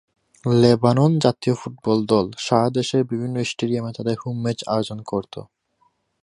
Lebanon জাতীয় football দল সারা দেশের বিভিন্ন স্টেডিয়ামে তাদের হোম ম্যাচ আয়োজন করতো।